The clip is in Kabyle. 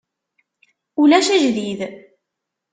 Ulac ajdid.